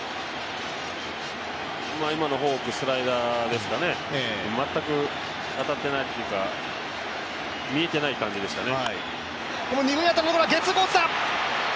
今のフォーク、スライダーですかね全く当たっていないというか、見えてない感じでしたね。